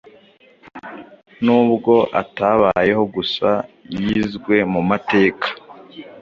Nubwo atabayeho gusa yizwe ,mumateka